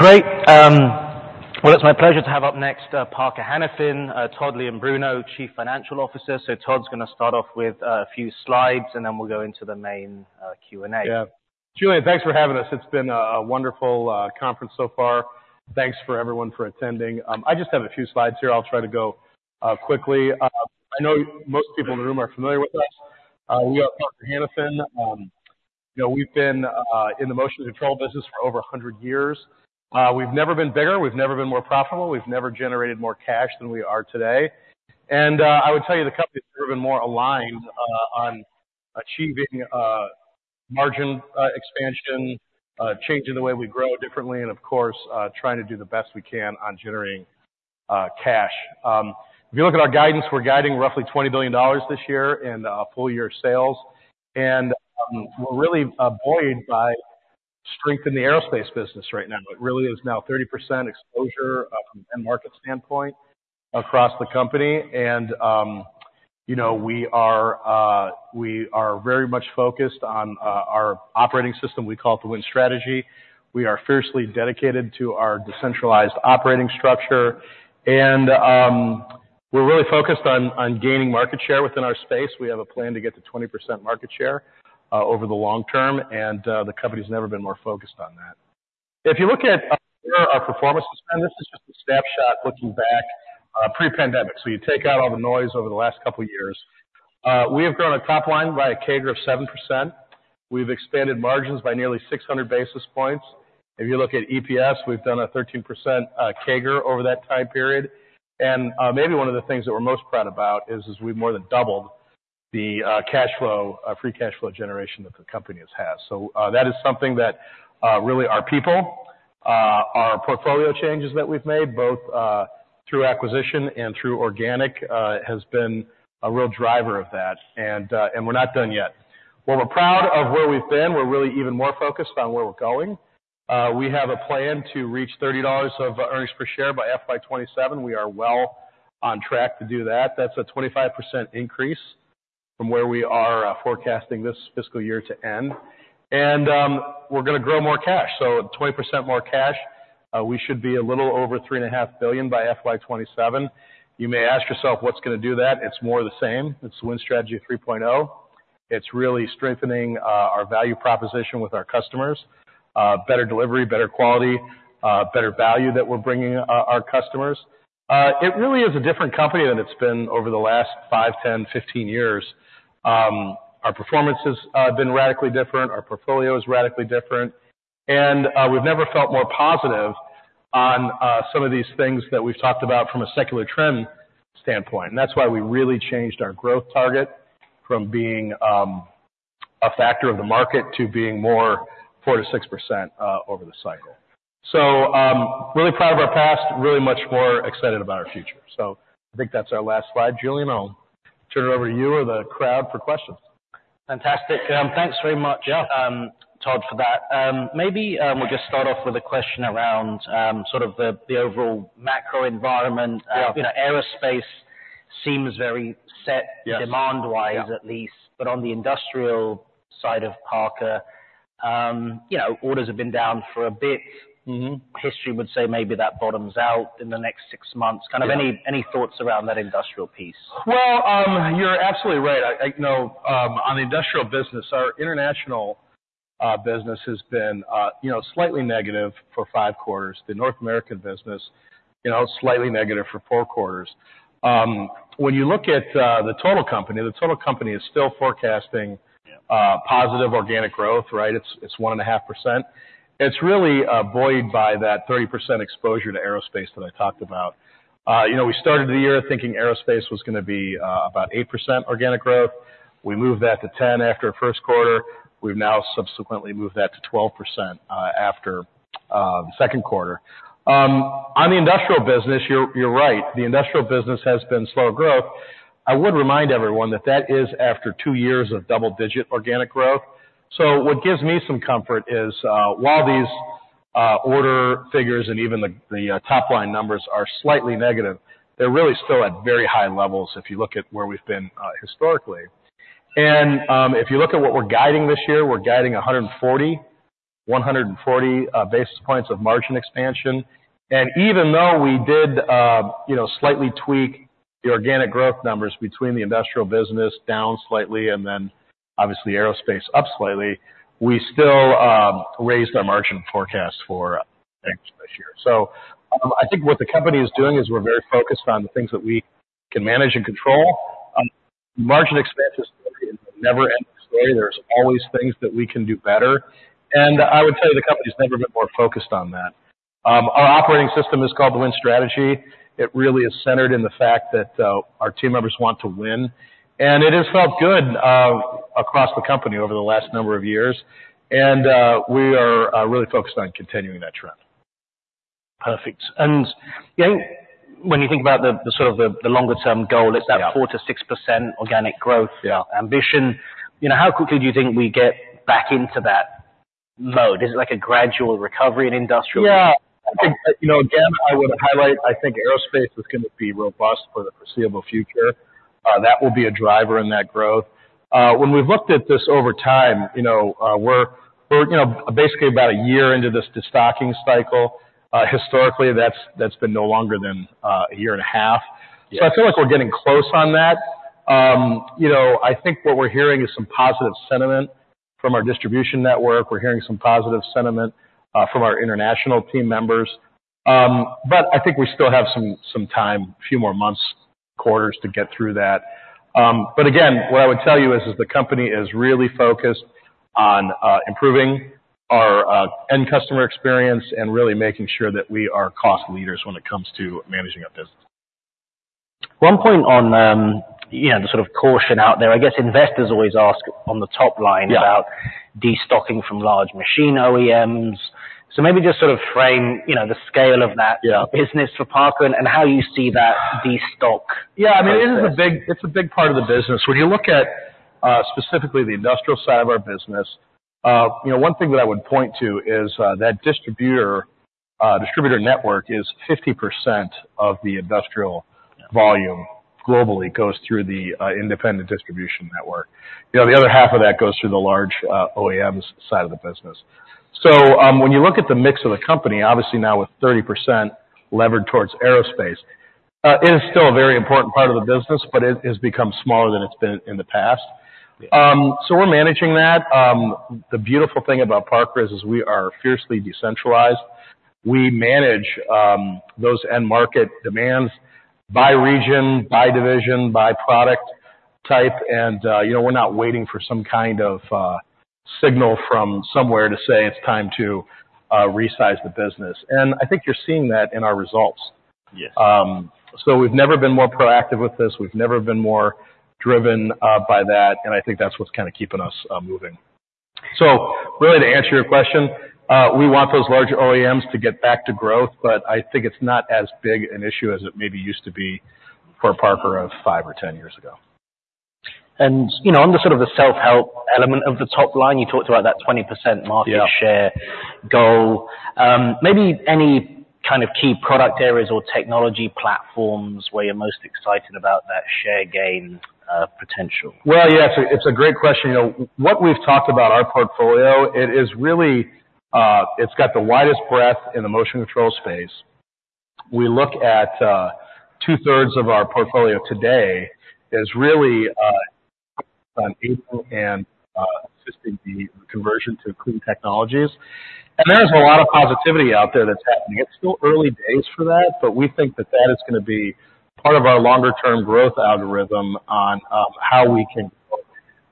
Great. Well, it's my pleasure to have up next, Parker Hannifin, Todd Leombruno, Chief Financial Officer. So Todd's gonna start off with a few slides, and then we'll go into the main Q&A. Yeah. Julian, thanks for having us. It's been a wonderful conference so far. Thanks for everyone for attending. I just have a few slides here. I'll try to go quickly. I know most people in the room are familiar with us. We are Parker Hannifin. You know, we've been in the motion control business for over 100 years. We've never been bigger, we've never been more profitable, we've never generated more cash than we are today. I would tell you, the company's never been more aligned on achieving margin expansion, changing the way we grow differently, and of course, trying to do the best we can on generating cash. If you look at our guidance, we're guiding roughly $20 billion this year in full year sales. We're really buoyed by strength in the aerospace business right now. It really is now 30% exposure, from an end market standpoint across the company, and, you know, we are very much focused on our operating system. We call it the Win Strategy. We are fiercely dedicated to our decentralized operating structure, and, we're really focused on gaining market share within our space. We have a plan to get to 20% market share, over the long term, and, the company's never been more focused on that. If you look at our performance, and this is just a snapshot looking back, pre-pandemic, so you take out all the noise over the last couple years. We have grown our top line by a CAGR of 7%. We've expanded margins by nearly 600 basis points. If you look at EPS, we've done a 13% CAGR over that time period. And maybe one of the things that we're most proud about is we've more than doubled the cash flow, free cash flow generation that the company has had. So that is something that really our people, our portfolio changes that we've made, both through acquisition and through organic has been a real driver of that. And we're not done yet. While we're proud of where we've been, we're really even more focused on where we're going. We have a plan to reach $30 of earnings per share by FY 2027. We are well on track to do that. That's a 25% increase from where we are forecasting this fiscal year to end. We're gonna grow more cash, so 20% more cash. We should be a little over $3.5 billion by FY 2027. You may ask yourself, what's gonna do that? It's more of the same. It's Win Strategy 3.0. It's really strengthening our value proposition with our customers. Better delivery, better quality, better value that we're bringing our customers. It really is a different company than it's been over the last five, 10, 15 years. Our performance has been radically different, our portfolio is radically different, and we've never felt more positive on some of these things that we've talked about from a secular trend standpoint. And that's why we really changed our growth target from being a factor of the market to being more 4%-6% over the cycle. So, really proud of our past, really much more excited about our future. So I think that's our last slide, Julian. I'll turn it over to you or the crowd for questions. Fantastic. Thanks very much- Yeah. Todd, for that. Maybe we'll just start off with a question around sort of the overall macro environment. Yeah. Aerospace seems very set- Yes. demand wise, at least. Yeah. But on the industrial side of Parker, you know, orders have been down for a bit. Mm-hmm. History would say maybe that bottoms out in the next six months. Yeah. Kind of any thoughts around that industrial piece? Well, you're absolutely right. I know on the industrial business, our international business has been, you know, slightly negative for five quarters. The North American business, you know, slightly negative for four quarters. When you look at the total company, the total company is still forecasting- Yeah... positive organic growth, right? It's, it's 1.5%. It's really, buoyed by that 30% exposure to aerospace that I talked about. You know, we started the year thinking aerospace was gonna be, about 8% organic growth. We moved that to 10% after the first quarter. We've now subsequently moved that to 12%, after, the second quarter. On the industrial business, you're, you're right, the industrial business has been slow growth. I would remind everyone that that is after two years of double-digit organic growth. So what gives me some comfort is, while these, order figures and even the, the, top-line numbers are slightly negative, they're really still at very high levels if you look at where we've been, historically. If you look at what we're guiding this year, we're guiding 140, 140 basis points of margin expansion. Even though we did, you know, slightly tweak the organic growth numbers between the industrial business down slightly, and then obviously aerospace up slightly, we still raised our margin forecast for things this year. I think what the company is doing is we're very focused on the things that we can manage and control. Margin expansion is a never-ending play. There's always things that we can do better, and I would tell you, the company's never been more focused on that. Our operating system is called the Win Strategy. It really is centered in the fact that our team members want to win, and it has felt good across the company over the last number of years. We are really focused on continuing that trend. Perfect. And, you know, when you think about the sort of longer term goal- Yeah... it's that 4%-6% organic growth- Yeah... ambition. You know, how quickly do you think we get back into that mode? Is it like a gradual recovery in industrial? Yeah. I think, you know, again, I would highlight, I think aerospace is gonna be robust for the foreseeable future. That will be a driver in that growth. When we've looked at this over time, you know, we're basically about a year into this destocking cycle. Historically, that's been no longer than a year and a half. Yes. So I feel like we're getting close on that. You know, I think what we're hearing is some positive sentiment from our distribution network. We're hearing some positive sentiment from our international team members. But I think we still have some time, a few more months, quarters to get through that. But again, what I would tell you is that the company is really focused on improving our end customer experience and really making sure that we are cost leaders when it comes to managing our business. One point on, you know, the sort of caution out there, I guess investors always ask on the top line- Yeah - about destocking from large machine OEMs. So maybe just sort of frame, you know, the scale of that- Yeah business for Parker and how you see that destock. Yeah, I mean, it is a big part of the business. When you look at specifically the industrial side of our business, you know, one thing that I would point to is that distributor network is 50% of the industrial volume globally goes through the independent distribution network. You know, the other half of that goes through the large OEMs side of the business. So, when you look at the mix of the company, obviously now with 30% levered towards aerospace, it is still a very important part of the business, but it has become smaller than it's been in the past. Yeah. So we're managing that. The beautiful thing about Parker is we are fiercely decentralized. We manage those end market demands by region, by division, by product type, and, you know, we're not waiting for some kind of signal from somewhere to say it's time to resize the business. And I think you're seeing that in our results. Yes. So we've never been more proactive with this. We've never been more driven by that, and I think that's what's kind of keeping us moving. So really, to answer your question, we want those large OEMs to get back to growth, but I think it's not as big an issue as it maybe used to be for a Parker of five or 10 years ago. You know, on the sort of self-help element of the top line, you talked about that 20% market share- Yeah - goal. Maybe any kind of key product areas or technology platforms where you're most excited about that share gain potential? Well, yes, it's a great question. You know, what we've talked about our portfolio, it is really, it's got the widest breadth in the motion control space. We look at two-thirds of our portfolio today is really in aero and assisting the conversion to clean technologies. And there's a lot of positivity out there that's happening. It's still early days for that, but we think that that is gonna be part of our longer term growth algorithm on how we can grow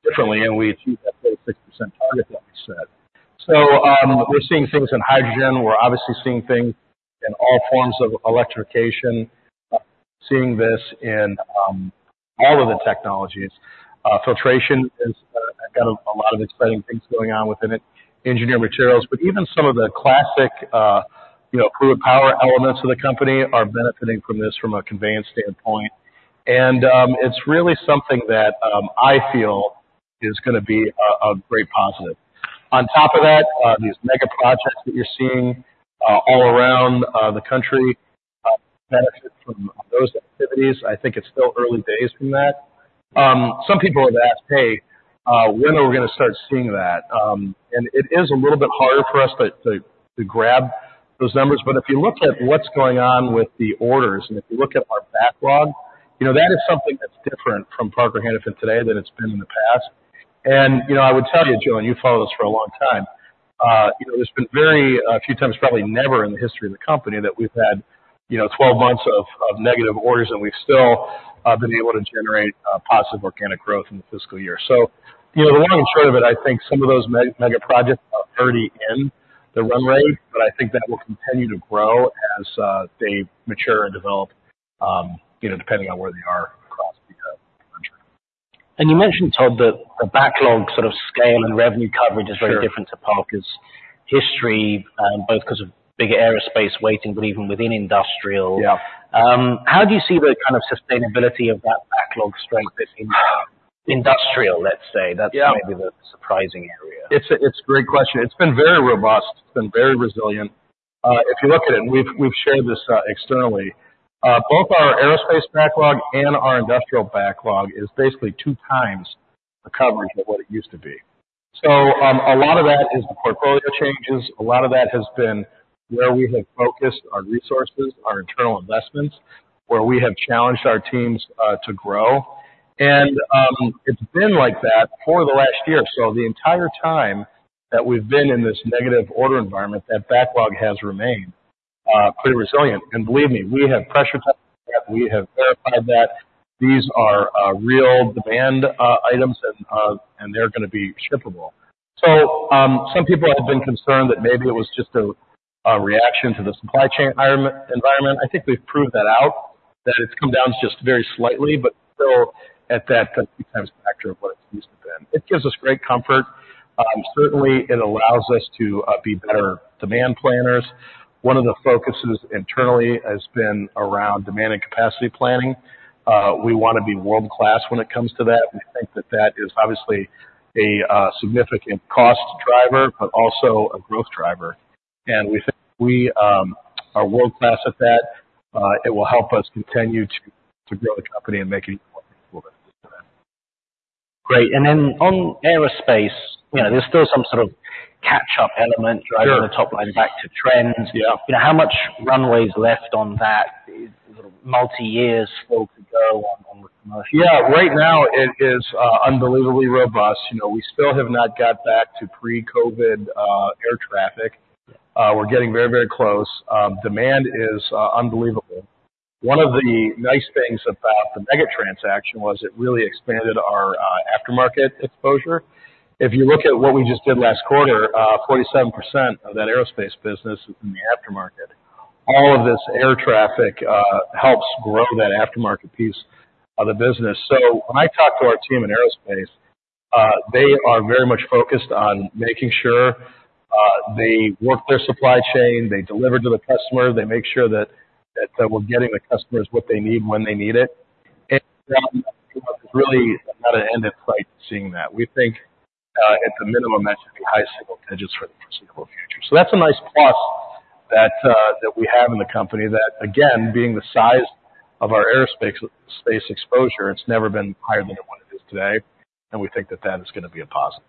differently, and we achieve that 36% target, like I said. So, we're seeing things in hydrogen. We're obviously seeing things in all forms of electrification, seeing this in all of the technologies. Filtration is got a lot of exciting things going on within it, Engineered Materials, but even some of the classic, you know, fluid power elements of the company are benefiting from this from a conveyance standpoint. And it's really something that I feel is gonna be a great positive. On top of that, these mega projects that you're seeing all around the country benefit from those activities. I think it's still early days from that. Some people have asked, "Hey, when are we gonna start seeing that?" And it is a little bit harder for us to grab those numbers. But if you look at what's going on with the orders, and if you look at our backlog, you know, that is something that's different from Parker Hannifin today than it's been in the past. You know, I would tell you, Joe, and you've followed us for a long time, you know, there's been very few times, probably never in the history of the company, that we've had, you know, 12 months of negative orders, and we've still been able to generate positive organic growth in the fiscal year. So, you know, the long and short of it, I think some of those mega projects are already in the run rate, but I think that will continue to grow as they mature and develop, you know, depending on where they are across the country. You mentioned, Todd, that the backlog sort of scale and revenue coverage- Sure - is very different to Parker's history, both because of big aerospace weighting, but even within industrial. Yeah. How do you see the kind of sustainability of that backlog strength in industrial, let's say? Yeah. That's maybe the surprising area. It's a great question. It's been very robust. It's been very resilient. If you look at it, we've shared this externally. Both our aerospace backlog and our industrial backlog is basically 2x the coverage of what it used to be. So, a lot of that is the portfolio changes. A lot of that has been where we have focused our resources, our internal investments, where we have challenged our teams to grow. And, it's been like that for the last year. So the entire time that we've been in this negative order environment, that backlog has remained pretty resilient. And believe me, we have pressure tested, we have verified that these are real demand items, and they're gonna be shippable. So some people have been concerned that maybe it was just a reaction to the supply chain environment. I think we've proved that out, that it's come down just very slightly, but still at that times factor of what it's used to be. It gives us great comfort. Certainly it allows us to be better demand planners. One of the focuses internally has been around demand and capacity planning. We want to be world-class when it comes to that. We think that that is obviously a significant cost driver, but also a growth driver... and we think we are world class at that. It will help us continue to grow the company and make it more Great. And then on aerospace, you know, there's still some sort of catch-up element- Sure. driving the top line back to trends. Yeah. How much runway is left on that multi-year slope to go on, on the commercial? Yeah, right now, it is unbelievably robust. You know, we still have not got back to pre-COVID air traffic. We're getting very, very close. Demand is unbelievable. One of the nice things about the Meggitt transaction was it really expanded our aftermarket exposure. If you look at what we just did last quarter, 47% of that aerospace business is in the aftermarket. All of this air traffic helps grow that aftermarket piece of the business. So when I talk to our team in aerospace, they are very much focused on making sure they work their supply chain, they deliver to the customer, they make sure that we're getting the customers what they need when they need it. And really not an end in sight seeing that. We think, at the minimum, that should be high single digits for the foreseeable future. So that's a nice plus that, that we have in the company, that again, being the size of our aerospace space exposure, it's never been higher than what it is today, and we think that that is gonna be a positive.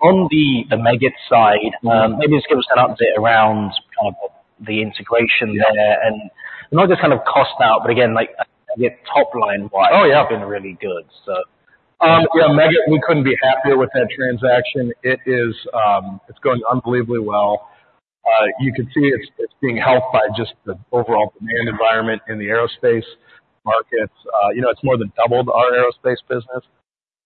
On the Meggitt side, maybe just give us an update around kind of the integration there. Yeah. And not just kind of cost out, but again, like, the top line-wide- Oh, yeah. have been really good, so. Yeah, Meggitt, we couldn't be happier with that transaction. It is, it's going unbelievably well. You can see it's, it's being helped by just the overall demand environment in the aerospace markets. You know, it's more than doubled our aerospace business.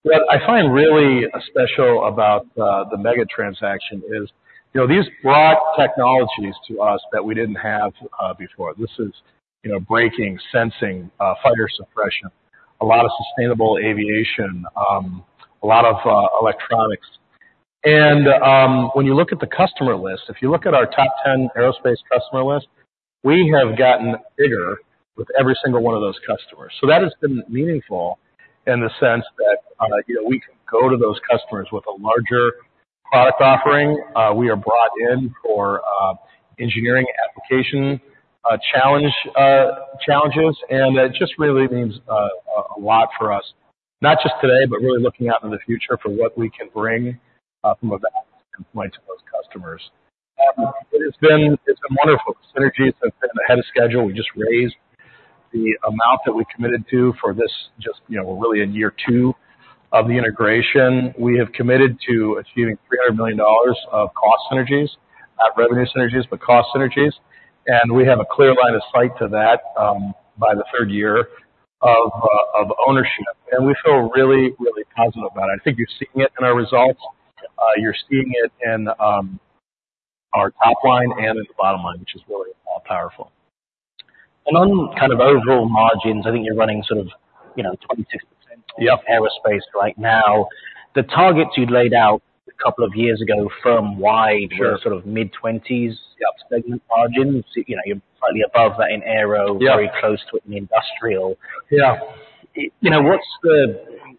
What I find really special about the Meggitt transaction is, you know, these brought technologies to us that we didn't have before. This is, you know, braking, sensing, fire suppression, a lot of sustainable aviation, a lot of electronics. And, when you look at the customer list, if you look at our top ten aerospace customer list, we have gotten bigger with every single one of those customers. So that has been meaningful in the sense that, you know, we can go to those customers with a larger product offering. We are brought in for engineering application challenges, and it just really means a lot for us, not just today, but really looking out in the future for what we can bring from a value point to those customers. It has been. It's been wonderful. Synergies have been ahead of schedule. We just raised the amount that we committed to for this just, you know, we're really in year two of the integration. We have committed to achieving $300 million of cost synergies, not revenue synergies, but cost synergies. And we have a clear line of sight to that by the third year of ownership, and we feel really, really positive about it. I think you're seeing it in our results. You're seeing it in our top line and in the bottom line, which is really powerful. On kind of overall margins, I think you're running sort of, you know, 26%. Yeah. aerospace right now. The targets you'd laid out a couple of years ago firm-wide Sure. Were sort of mid-20s segment margins. You know, you're slightly above that in aero- Yeah. Very close to it in industrial. Yeah. You know,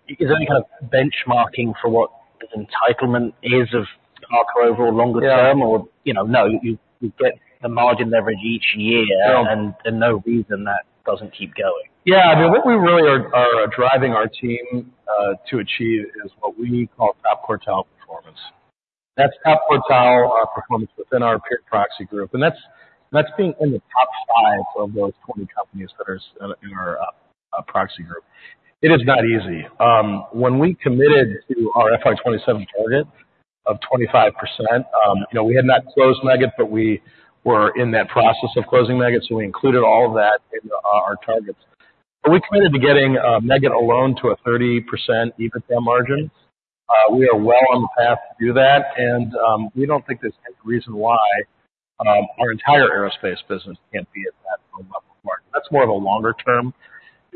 is there any kind of benchmarking for what the entitlement is of Parker overall longer term? Yeah. Or, you know, no, you, you get the margin leverage each year- Sure. No reason that doesn't keep going. Yeah, I mean, what we really are, are driving our team to achieve is what we call top quartile performance. That's top quartile performance within our peer proxy group, and that's being in the top 5 of those 20 companies that are in our proxy group. It is not easy. When we committed to our FY 2027 target of 25%, you know, we had not closed Meggitt, but we were in that process of closing Meggitt, so we included all of that in our targets. But we committed to getting Meggitt alone to a 30% EBITDA margin. We are well on the path to do that, and we don't think there's any reason why our entire aerospace business can't be at that level. That's more of a longer term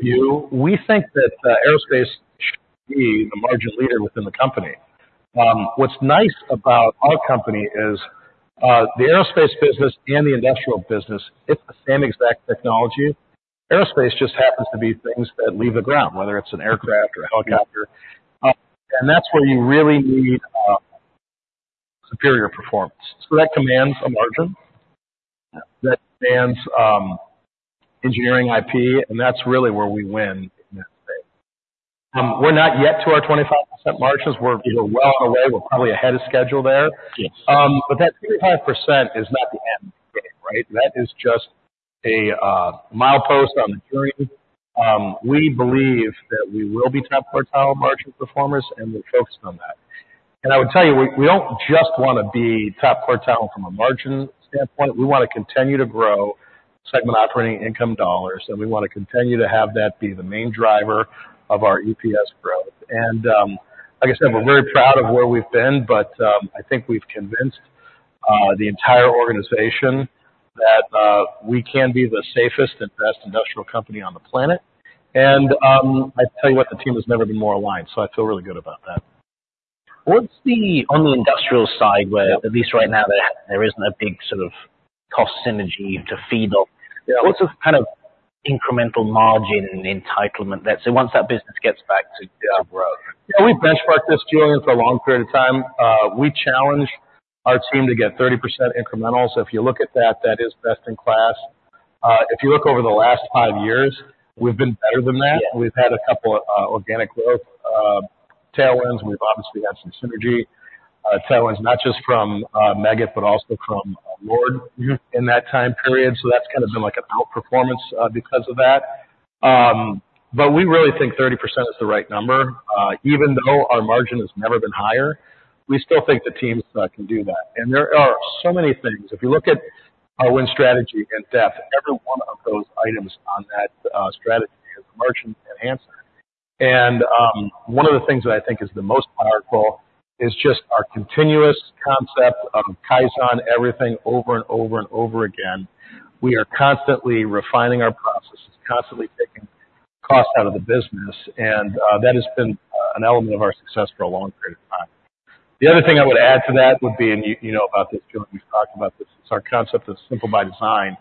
view. We think that, aerospace should be the margin leader within the company. What's nice about our company is, the aerospace business and the industrial business, it's the same exact technology. Aerospace just happens to be things that leave the ground, whether it's an aircraft or a helicopter. And that's where you really need, superior performance. So that commands a margin, that demands, engineering IP, and that's really where we win in that space. We're not yet to our 25% margins. We're, we're well on the way. We're probably ahead of schedule there. Yes. But that 25% is not the end game, right? That is just a milepost on the journey. We believe that we will be top quartile margin performers, and we're focused on that. And I would tell you, we don't just wanna be top quartile from a margin standpoint, we wanna continue to grow segment operating income dollars, and we wanna continue to have that be the main driver of our EPS growth. And, like I said, we're very proud of where we've been, but, I think we've convinced the entire organization that we can be the safest and best industrial company on the planet. I tell you what, the team has never been more aligned, so I feel really good about that. What's the... On the industrial side, where at least right now, there isn't a big sort of cost synergy to feed off. Yeah. What's the incremental margin and entitlement that, so once that business gets back to growth. Yeah, we benchmarked this, Julian, for a long period of time. We challenged our team to get 30% incremental. If you look at that, that is best in class. If you look over the last five years, we've been better than that. Yeah. We've had a couple of organic growth tailwinds, and we've obviously had some synergy tailwinds, not just from Meggitt, but also from LORD- Mm-hmm. -in that time period. So that's kind of been like an outperformance, because of that. But we really think 30% is the right number. Even though our margin has never been higher, we still think the teams can do that. And there are so many things. If you look at our Win Strategy in depth, every one of those items on that strategy is margin enhancer. And one of the things that I think is the most powerful is just our continuous concept of Kaizen, everything over and over and over again. We are constantly refining our processes, constantly taking cost out of the business, and that has been an element of our success for a long period of time. The other thing I would add to that would be, and you, you know about this, Julian, we've talked about this, it's our concept of Simple by Design,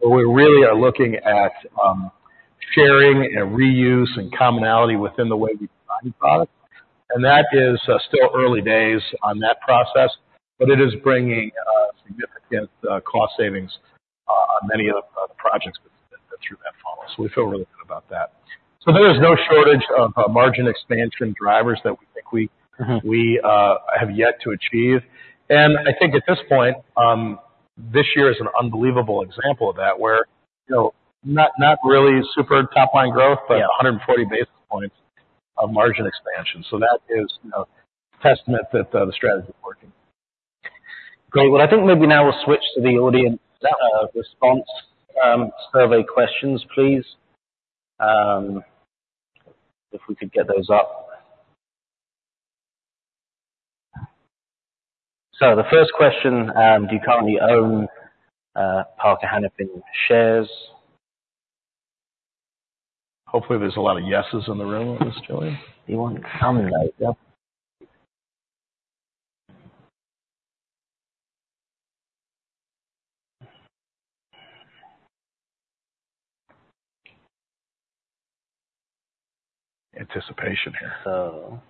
where we really are looking at, sharing and reuse and commonality within the way we design a product. And that is still early days on that process, but it is bringing significant cost savings on many of the projects that through that funnel. So we feel really good about that. So there is no shortage of margin expansion drivers that we think we- Mm-hmm. —we have yet to achieve. And I think at this point, this year is an unbelievable example of that, where, you know, not, not really super top line growth— Yeah. But 140 basis points of margin expansion. So that is, you know, testament that the strategy is working. Great. Well, I think maybe now we'll switch to the audience response survey questions, please. If we could get those up. So the first question, do you currently own Parker Hannifin shares? Hopefully, there's a lot of yeses in the room on this, Julian. It won't come like that. Anticipation here. So...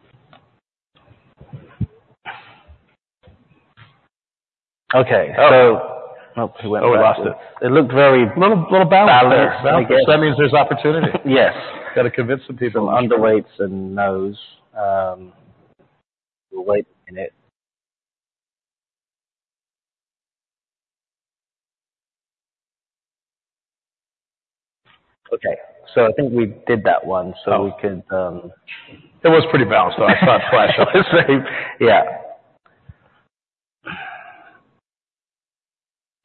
Okay. Oh. So, nope, we went- Oh, we lost it. It looked very- Little, little balance there. -balance. So that means there's opportunity. Yes. Gotta convince some people. Some underweights and nos. We'll wait a minute. Okay, so I think we did that one- Oh. -so we can... It was pretty balanced, though. I saw the flash on it, so. Yeah.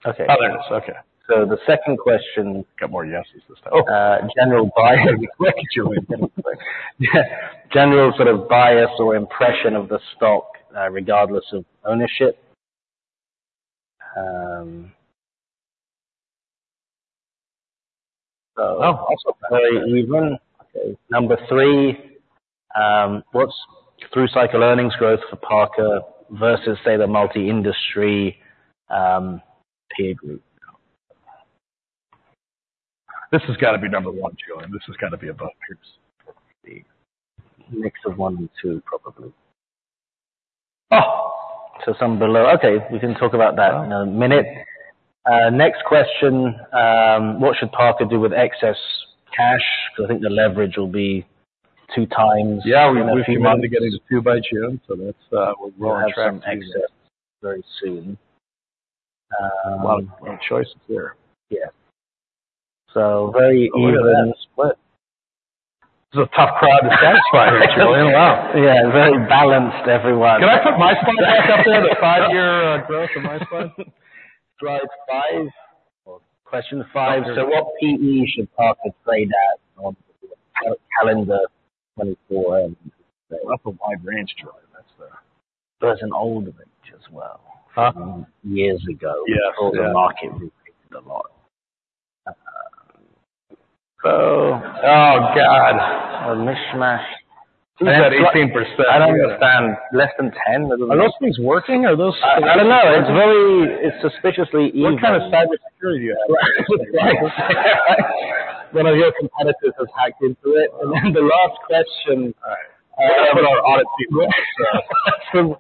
Okay. Oh, there it is. Okay. The second question. Got more yeses this time. Oh. General buy. General sort of bias or impression of the stock, regardless of ownership. Also very even. Number three, what's through cycle earnings growth for Parker versus, say, the multi-industry peer group? This has got to be number one, Julian. This has got to be above peers. Mix of 1 and 2, probably. Oh! So some below. Okay, we can talk about that in a minute. Next question, what should Parker do with excess cash? Because I think the leverage will be 2x. Yeah, we might be getting to two by June, so that's, we're on track. Some excess very soon. A lot of choices there. Yeah. So very even split. It's a tough crowd to satisfy, Julian. Wow! Yeah, very balanced, everyone. Can I put my slide back up there, the five-year growth on my slide? Slide 5. Question 5. So what PE should Parker trade at on calendar 2024? That's a wide range, Julian, that's the- There's an old range as well. Huh? Years ago. Yes. The market moved a lot. Oh, God! A mishmash. 18%. I don't understand. Less than 10, maybe. Are those things working? I don't know. It's very... It's suspiciously even. What kind of cybersecurity do you have? One of your competitors has hacked into it. And then the last question- All right. We have our audit people.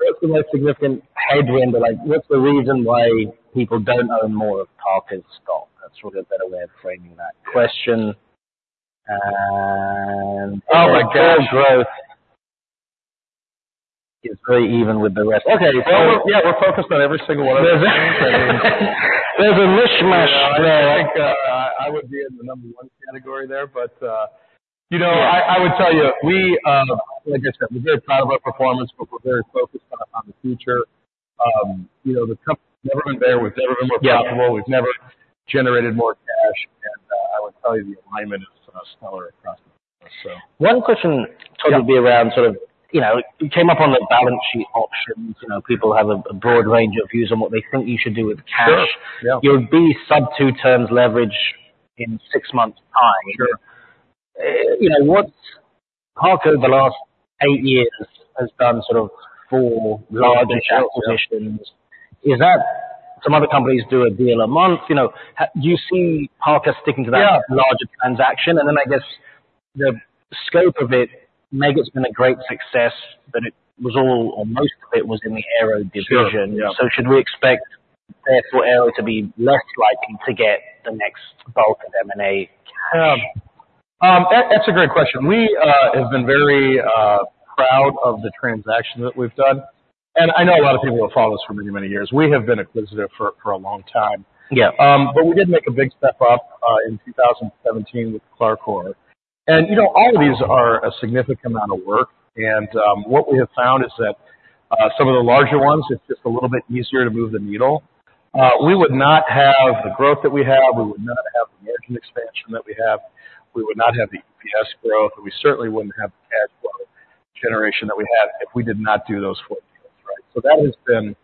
What's the most significant headwind? Like, what's the reason why people don't own more of Parker's stock? That's probably a better way of framing that question. And- Oh, my gosh! Core growth. It's very even with the rest. Okay. Well, yeah, we're focused on every single one of those. There's a mishmash there. I think, I would be in the number one category there, but, you know, I, I would tell you, we, like I said, we're very proud of our performance, but we're very focused on, on the future. You know, the company's never been better. We've never been more profitable. Yeah. We've never generated more cash, and I would tell you the alignment is stellar across the board, so. One question- Yeah Probably be around, sort of, you know, it came up on the balance sheet options. You know, people have a broad range of views on what they think you should do with cash. Sure, yeah. You'll be sub-2 terms leverage in 6 months' time. Sure. You know, Parker, over the last eight years, has done sort of four large acquisitions. Is that some other companies do a deal a month, you know? Do you see Parker sticking to that? Yeah. larger transaction? And then I guess the scope of it, Meggitt's been a great success, but it was all, or most of it, was in the aero division. Sure, yeah. Should we expect therefore, Aero to be less likely to get the next bulk of M&A cash? That's a great question. We have been very proud of the transactions that we've done, and I know a lot of people have followed us for many, many years. We have been acquisitive for a long time. Yeah. But we did make a big step up in 2017 with CLARCOR. You know, all of these are a significant amount of work, and what we have found is that some of the larger ones, it's just a little bit easier to move the needle. We would not have the growth that we have, we would not have the margin expansion that we have, we would not have the EPS growth, and we certainly wouldn't have the cash flow generation that we had if we did not do those four deals, right? So that has been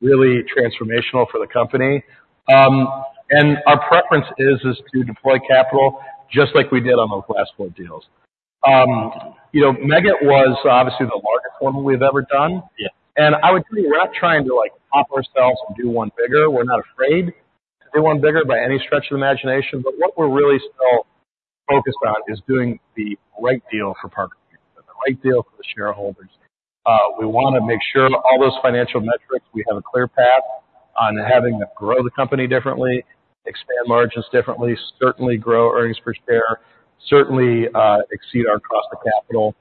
really transformational for the company. Our preference is to deploy capital just like we did on those last four deals. You know, Meggitt was obviously the largest one we've ever done. Yeah. I would tell you, we're not trying to, like, top ourselves and do one bigger. We're not afraid to do one bigger by any stretch of the imagination, but what we're really still focused on is doing the right deal for Parker, the right deal for the shareholders. We wanna make sure all those financial metrics, we have a clear path on having to grow the company differently, expand margins differently, certainly grow earnings per share, certainly, exceed our cost of capital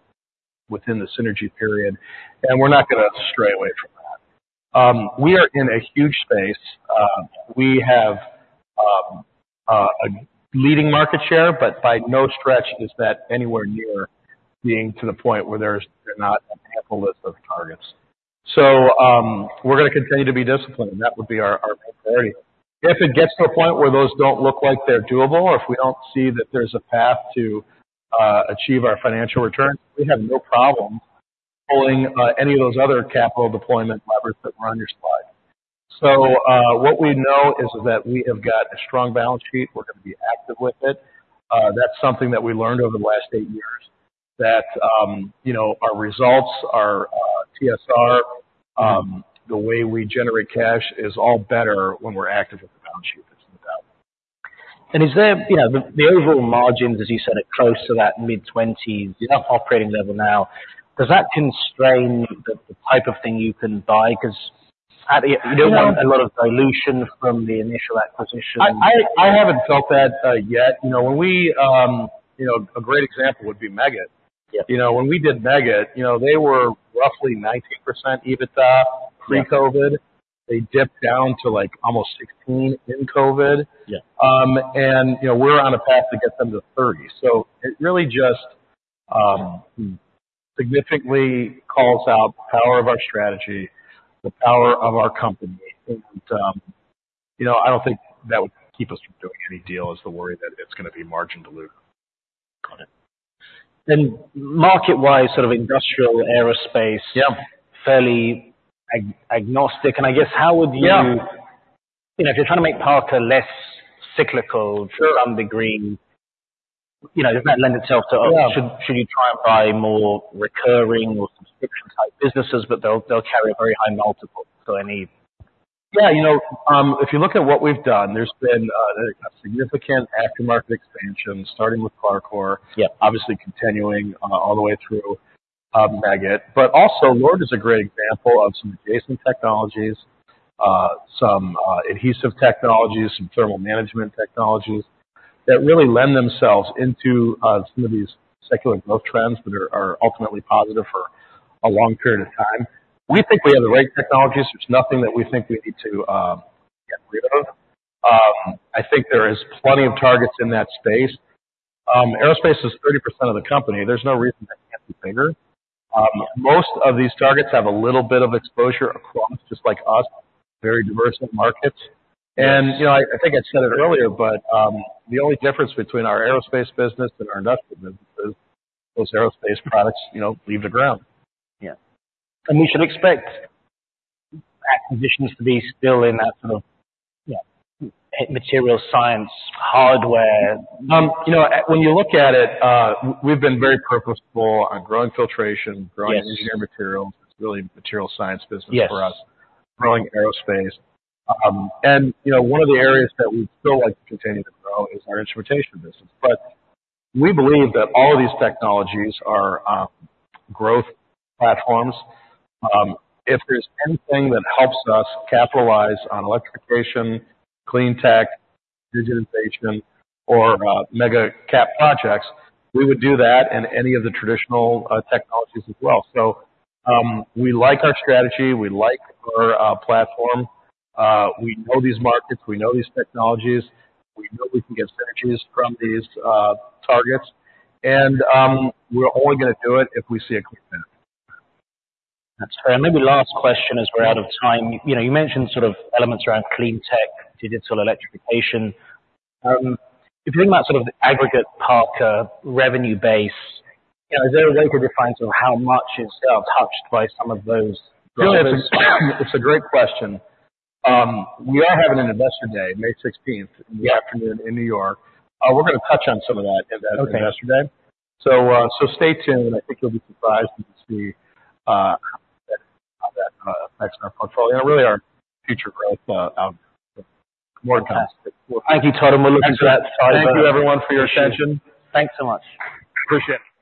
within the synergy period, and we're not gonna stray away from that. We are in a huge space. We have a leading market share, but by no stretch is that anywhere near being to the point where there's not an ample list of targets. So, we're gonna continue to be disciplined, and that would be our, our priority. If it gets to a point where those don't look like they're doable, or if we don't see that there's a path to achieve our financial return, we have no problem pulling any of those other capital deployment levers that were on your slide. So, what we know is that we have got a strong balance sheet. We're gonna be active with it. That's something that we learned over the last eight years, that you know, our results, our TSR, the way we generate cash is all better when we're active with the balance sheet than without. And is there? You know, the overall margins, as you said, are close to that mid-20s- Yeah. Operating level now, does that constrain the type of thing you can buy? Because you don't want a lot of dilution from the initial acquisition. I haven't felt that yet. You know, when we, you know, a great example would be Meggitt. Yeah. You know, when we did Meggitt, you know, they were roughly 19% EBITDA pre-COVID. Yeah. They dipped down to, like, almost 16 in COVID. Yeah. And, you know, we're on a path to get them to 30. So it really just significantly calls out the power of our strategy, the power of our company. And, you know, I don't think that would keep us from doing any deal as the worry that it's gonna be margin dilute. Got it. Then market-wise, sort of industrial aerospace- Yeah. fairly agnostic. And I guess, how would you- Yeah. You know, if you're trying to make Parker less cyclical- Sure. under green, you know, does that lend itself to- Yeah. Should you try and buy more recurring or subscription type businesses, but they'll carry a very high multiple, so I need... Yeah, you know, if you look at what we've done, there's been a significant aftermarket expansion, starting with CLARCOR. Yeah. Obviously continuing all the way through Meggitt. But also, Lord is a great example of some adjacent technologies, some adhesive technologies, some thermal management technologies, that really lend themselves into some of these secular growth trends that are ultimately positive for a long period of time. We think we have the right technologies. There's nothing that we think we need to get rid of. I think there is plenty of targets in that space. Aerospace is 30% of the company. There's no reason that can't be bigger. Most of these targets have a little bit of exposure across, just like us, very diverse markets. Yes. You know, I think I said it earlier, but the only difference between our aerospace business and our industrial business is those aerospace products, you know, leave the ground. Yeah. And we should expect acquisitions to be still in that sort of, yeah, material science, hardware- You know, when you look at it, we've been very purposeful on growing filtration- Yes. -growing engineering materials. It's really material science business for us. Yes. Growing aerospace. You know, one of the areas that we'd still like to continue to grow is our instrumentation business. But we believe that all of these technologies are growth platforms. If there's anything that helps us capitalize on electrification, clean tech, digitization, or megaprojects, we would do that in any of the traditional technologies as well. So, we like our strategy, we like our platform. We know these markets, we know these technologies, we know we can get synergies from these targets, and we're only gonna do it if we see a clear path. That's fair. Maybe last question, as we're out of time. You know, you mentioned sort of elements around clean tech, digital electrification. If you think about sort of aggregate Parker revenue base, you know, is there a way to define sort of how much is touched by some of those drivers? It's a great question. We are having an investor day, May sixteenth, in the afternoon in New York. We're gonna touch on some of that at that investor day. Okay. So, stay tuned, and I think you'll be surprised to see how that affects our portfolio and really our future growth out more. Thank you, Todd, and we're looking- Thank you, everyone, for your attention. Thanks so much. Appreciate it.